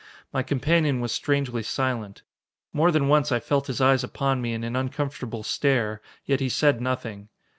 My companion was strangely silent. More than once I felt his eyes upon me in an uncomfortable stare, yet he said nothing.